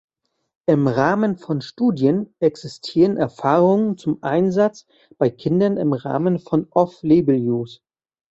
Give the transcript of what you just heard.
Im Rahmen von Studien existieren Erfahrungen zum Einsatz bei Kindern im Rahmen von Off-Label-Use.